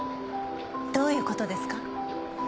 どういう事ですか？